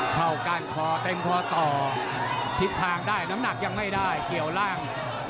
ก้านคอเต็มคอต่อทิศทางได้น้ำหนักยังไม่ได้เกี่ยวล่าง